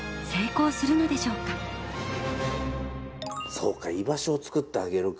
そうか居場所を作ってあげるか。